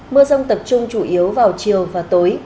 mưa rông tập trung chủ yếu vào chiều và tối